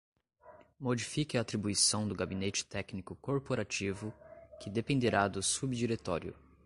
Modifique a atribuição do Gabinete Técnico Corporativo, que dependerá do Subdiretório.